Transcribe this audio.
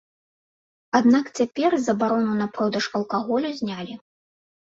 Аднак цяпер забарону на продаж алкаголю знялі.